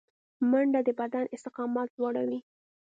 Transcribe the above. منډه د بدن استقامت لوړوي